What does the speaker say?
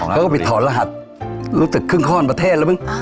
เขาก็ไปถอนรหัสรู้สึกครึ่งข้อนประเทศแล้วมั้ง